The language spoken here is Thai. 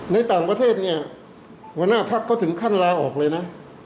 ในต่างประเทศเนี่ยหัวหน้าพักก็ถึงขั้นลาออกเลยนะ